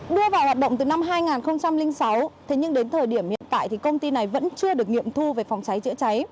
đưa vào hoạt động từ năm hai nghìn sáu thế nhưng đến thời điểm hiện tại thì công ty này vẫn chưa được nghiệm thu về phòng cháy chữa cháy